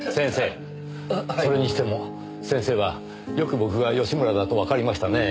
それにしても先生はよく僕が吉村だとわかりましたねぇ。